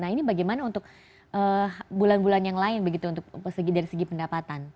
nah ini bagaimana untuk bulan bulan yang lain begitu untuk dari segi pendapatan